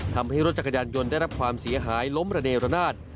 ทำให้รถจักรยานยนต์ได้รับความเสียหายล้มระเนรนาศ